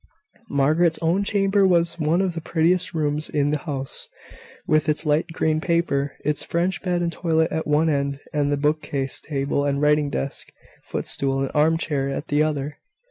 Margaret's own chamber was one of the prettiest rooms in the house, with its light green paper, its French bed and toilet at one end, and the book case, table and writing desk, footstool and armchair, at the other.